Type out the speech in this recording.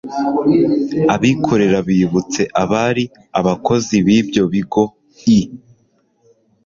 abikorera bibutse abari abakozi b'ibyo bigo i